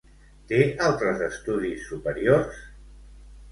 Té altres estudis superiors?